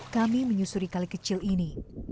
kami menyusuri kali kecil ini